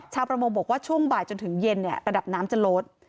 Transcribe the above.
ประมงบอกว่าช่วงบ่ายจนถึงเย็นระดับน้ำจะลด